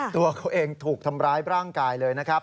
ตัวเขาเองถูกทำร้ายร่างกายเลยนะครับ